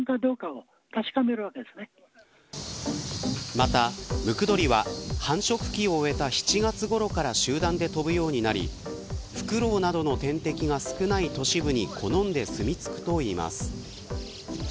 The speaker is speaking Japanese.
またムクドリは繁殖期を終えた７月ごろから集団で飛ぶようになりフクロウなどの天敵が少ない都市部に好んで住み着くといいます。